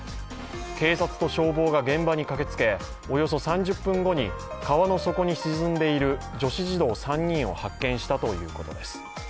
警察と消防が現場に駆けつけおよそ３０分後に川の底に沈んでいる女子児童３人を発見したということです。